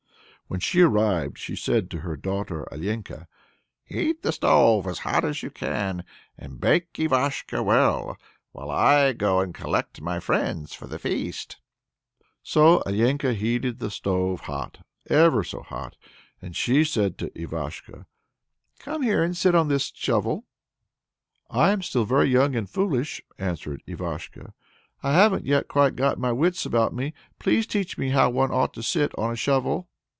When she arrived she said to her daughter Alenka, "Heat the stove as hot as you can, and bake Ivashko well, while I go and collect my friends for the feast." So Alenka heated the stove hot, ever so hot, and said to Ivashko, "Come here and sit on this shovel!" "I'm still very young and foolish," answered Ivashko: "I haven't yet quite got my wits about me. Please teach me how one ought to sit on a shovel."